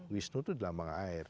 wisnu itu adalah lambang air